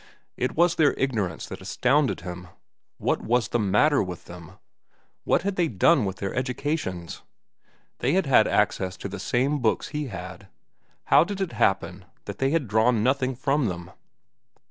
It was their ignorance that astounded him. What was the matter with them? What had they done with their educations? They had had access to the same books he had. How did it happen that they had drawn nothing from them?